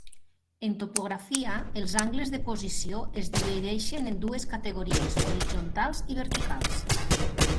En topografia els angles de posició es divideixen en dues categories: horitzontals i verticals.